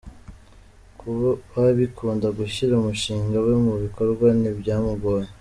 Kuba abikunda gushyira umushinga we mu bikorwa ntibyamugoye.